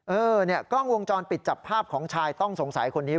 เออเนี่ยกล้องวงจรปิดจับภาพของชายต้องสงสัยคนนี้